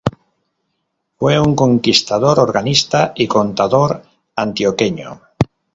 Fue un compositor, organista y contador antioqueño.